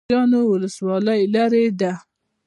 نازیانو ولسوالۍ لیرې ده؟